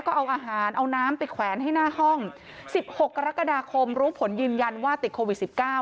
ก็เอาอาหารเอาน้ำไปแขวนให้หน้าห้อง๑๖กรกฎาคมรู้ผลยืนยันว่าติดโควิด๑๙